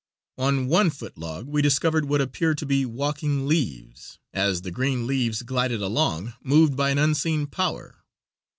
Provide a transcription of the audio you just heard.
On one foot log we discovered what appeared to be walking leaves, as the green leaves glided along, moved by an unseen power.